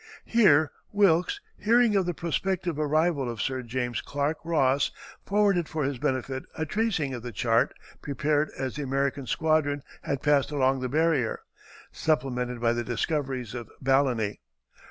Here Wilkes, hearing of the prospective arrival of Sir James Clark Ross, forwarded for his benefit a tracing of the chart prepared as the American squadron had passed along the barrier, supplemented by the discoveries of Balleny.